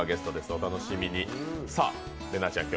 お楽しみに。